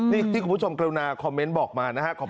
นี่ที่คุณผู้ชมกรุณาคอมเมนต์บอกมานะครับ